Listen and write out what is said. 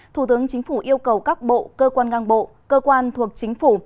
thủ tướng chính phủ yêu cầu các bộ cơ quan ngang bộ cơ quan thuộc chính phủ